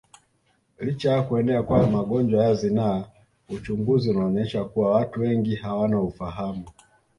Licha ya kuenea kwa magonjwa ya zinaa uchunguzi unaonyesha kuwa watu wengi hawana ufahamu